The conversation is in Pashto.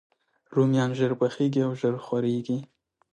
رومیان ژر پخیږي او ژر خورېږي